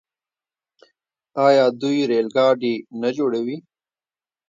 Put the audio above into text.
آیا دوی ریل ګاډي نه جوړوي؟